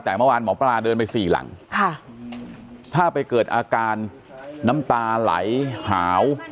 แต่เมื่อวานหมอปลาเดินไปสี่หลังค่ะถ้าไปเกิดอาการน้ำตาไหลหาว